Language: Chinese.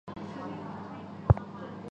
过后才会发现